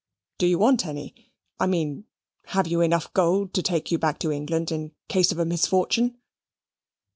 Do you want any? I mean, have you enough gold to take you back to England in case of a misfortune?"